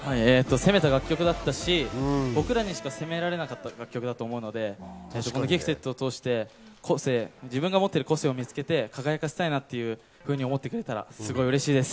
攻めた楽曲だったし、僕らしか攻められない楽曲だったと思うので、『Ｇｉｆｔｅｄ．』を通して自分が持ってる個性を通して輝かせたいなと思ってくれたら嬉しいです。